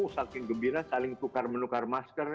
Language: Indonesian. saking gembira saling tukar menukar masker